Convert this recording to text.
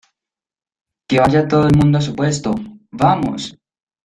que vaya todo el mundo a su puesto. ¡ vamos!